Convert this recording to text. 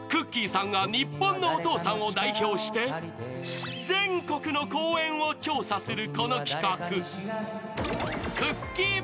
さんが日本のお父さんを代表して、全国の公園を調査するこの企画。